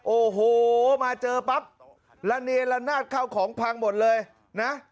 โอ้โหมาเจอปั๊บละเนียนละนาดเข้าของพังหมดเลยนะ